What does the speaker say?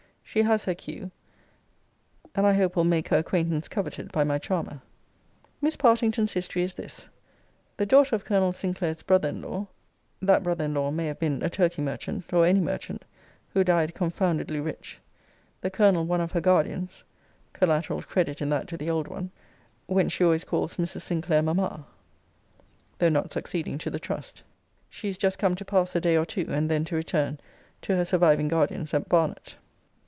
She has her cue, and I hope will make her acquaintance coveted by my charmer. Miss Partington's history is this: the daughter of Colonel Sinclair's brother in law: that brother in law may have been a Turkey merchant, or any merchant, who died confoundedly rich: the colonel one of her guardians [collateral credit in that to the old one:] whence she always calls Mrs. Sinclair Mamma, though not succeeding to the trust. She is just come to pass a day or two, and then to return to her surviving guardian's at Barnet.